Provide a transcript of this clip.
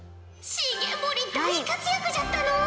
重盛大活躍じゃったのう！